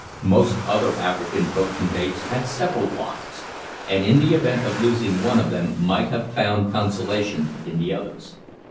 Most other African potentates had several wives, and in the event of losing one of them might have found consolation in the others.